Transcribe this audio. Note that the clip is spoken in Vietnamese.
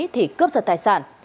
thì cướp giật tài sản